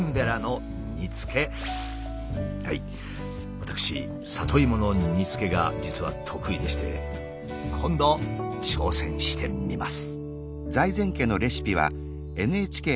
私里芋の煮つけが実は得意でして今度挑戦してみます。